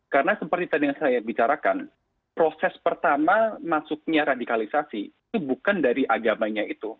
karena seperti tadi yang saya bicarakan proses pertama masuknya radikalisasi itu bukan dari agamanya itu